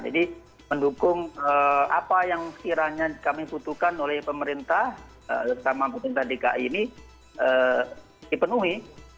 mendukung apa yang sekiranya kami butuhkan oleh pemerintah sama pemerintah dki ini dipenuhi